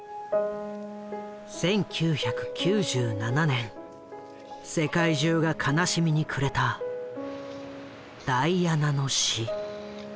１９９７年世界中が悲しみに暮れたダイアナの死。